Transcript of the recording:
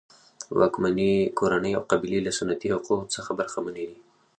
واکمنې کورنۍ او قبیلې له سنتي حقونو څخه برخمنې دي.